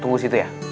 tunggu situ ya